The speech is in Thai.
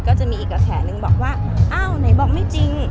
ก็จะมีอีกกระแสนึงบอกว่าอ้าวไหนบอกไม่จริง